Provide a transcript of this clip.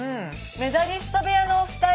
メダリスト部屋のお二人。